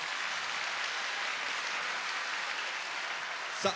さあ